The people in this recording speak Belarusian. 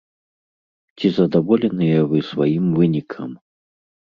Ці задаволеныя вы сваім вынікам?